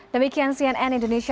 demikian cnn indonesia